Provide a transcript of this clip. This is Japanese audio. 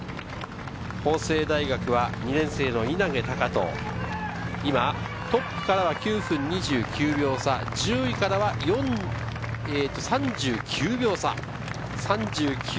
法政大学は２年生の稲毛崇斗、今、トップからは９分２９秒差、１０位からは３９秒差。